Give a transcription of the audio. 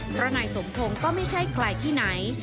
เพราะนายสมพงศ์ก็ไม่ใช่ใครที่ไหน